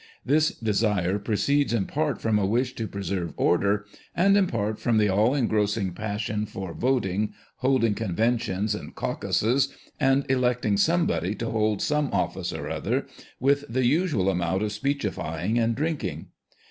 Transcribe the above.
This desire proceeds in part from a wish to preserve order, and in part from the all engrossing passion for voting, holding " conventions," and " caucusses," and electing somebody to hold some office or other, with the usual amount of speechifying and drinking.